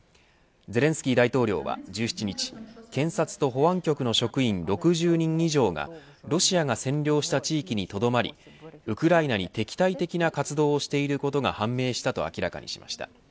ゼレンスキー大統領は１７日検察と保安局の職員６０人以上がロシアが占領した地域にとどまりウクライナに敵対的な活動をしていることが判明したと明らかにしました。